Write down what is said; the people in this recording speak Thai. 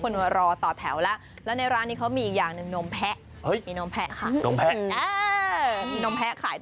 คนรอต่อแถวแล้วแล้วในร้านนี้เขามีอีกอย่างหนึ่งนมแพะ